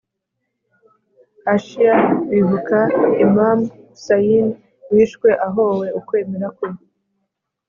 aashiya bibuka imam ḥusayn wishwe ahowe ukwemera kwe